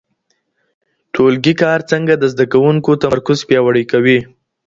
ټولګي کار څنګه د زده کوونکو تمرکز پیاوړی کوي؟